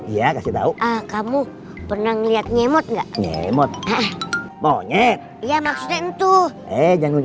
iya kasih tahu ah kamu pernah ngeliat nyemot nggak nyemot maunya ya maksudnya tuh eh jangan